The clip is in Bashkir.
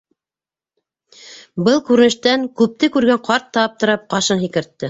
Был күренештән күпте күргән ҡарт та аптырап, ҡашын һикертте.